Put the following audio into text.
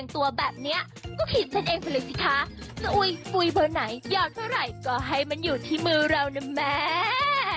ยาวเท่าไหร่ก็ให้มันอยู่ที่มือเราน่ะแม่